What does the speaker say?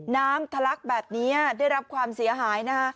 ทะลักแบบนี้ได้รับความเสียหายนะคะ